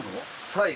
はい。